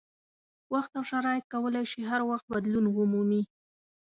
وخت او شرایط کولای شي هر وخت بدلون ومومي.